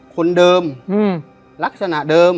คนเดิมลักษณะเดิม